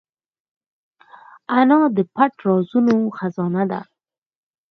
انا د پټ رازونو خزانه ده